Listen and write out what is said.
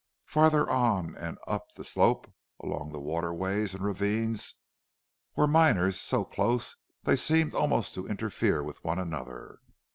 Farther on and up the slope, along the waterways and ravines, were miners so close they seemed almost to interfere with one another.